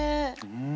うん。